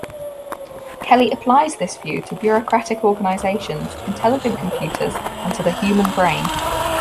Kelly applies this view to bureaucratic organisations, intelligent computers, and to the human brain.